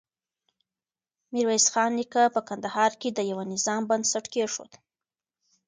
ميرويس خان نيکه په کندهار کې د يوه نظام بنسټ کېښود.